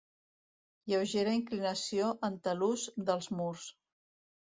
Lleugera inclinació en talús dels murs.